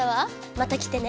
また来てね。